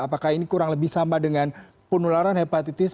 apakah ini kurang lebih sama dengan penularan hepatitis